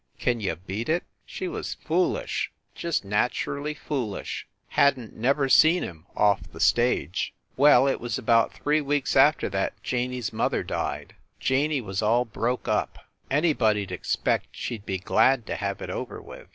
Can you beat it? She was foolish. Just naturally foolish! Hadn t never seen him off the stage ! Well, it was about three weeks after that Janey s mother died. Janey was all broke up. Anybody d expect she d be glad to have it over with.